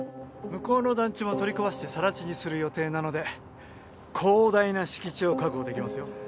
向こうの団地も取り壊して更地にする予定なので広大な敷地を確保できますよ